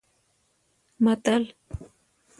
متل